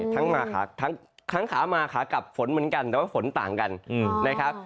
ทั้งขามาขากลับฝนเหมือนกันแต่ว่าฝนต่างกันนะครับ